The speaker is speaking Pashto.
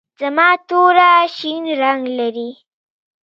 زما توره شین رنګ لري.